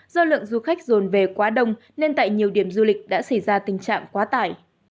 do lượng du khách dồn về quá đông nên tại nhiều điểm du lịch đã xảy ra tình trạng quá tải